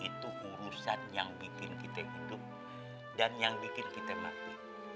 itu urusan yang bikin kita hidup dan yang bikin kita mati